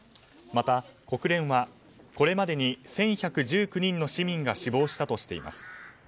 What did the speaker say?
また、国連はこれまでに１１１９人の市民が死亡したとしています。